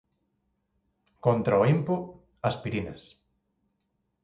Contra o impo, aspirinas.